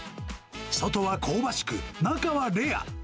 外は香ばしく、中はレア。